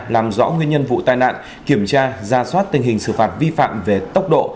làm rõ nguyên nhân vụ tai nạn kiểm tra ra soát tình hình xử phạt vi phạm về tốc độ